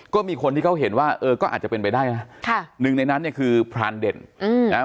ก็มีคนที่เขาเห็นว่าเออก็อาจจะเป็นไปได้นะค่ะหนึ่งในนั้นเนี่ยคือพรานเด่นอืมนะฮะ